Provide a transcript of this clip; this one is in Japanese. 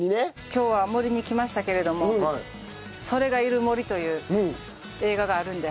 今日は森に来ましたけれども『“それ”がいる森』という映画があるんで。